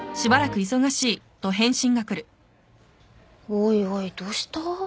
おいおいどした？